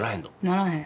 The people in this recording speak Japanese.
ならへん。